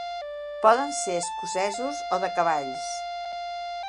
Poden ser escocesos o de cavalls.